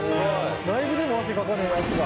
ライブでも汗かかねえやつが。